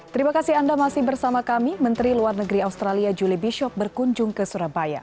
terima kasih anda masih bersama kami menteri luar negeri australia julie bishop berkunjung ke surabaya